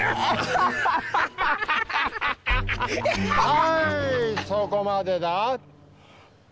はいそこまでだ！